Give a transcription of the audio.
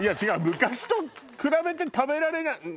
「昔と比べて食べられなく」。